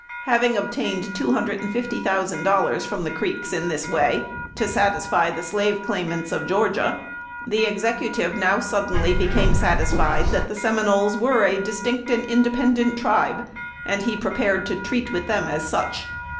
Having obtained two hundred and fifty thousand dollars from the Creeks in this way, to satisfy the slave claimants of Georgia, the Executive now suddenly became satisfied that the Seminoles were a distinct and independent tribe, and he prepared to treat with them as such.